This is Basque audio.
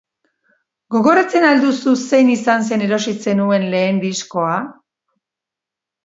Gogoratzen al duzu zein izan zen erosi zenuen lehen diskoa?